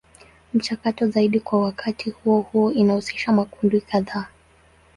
Michakato zaidi kwa wakati huo huo inahusisha makundi kadhaa.